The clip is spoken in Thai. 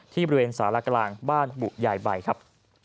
ที่บริเวณสารกลางบ้านบุหญ่บัยครับ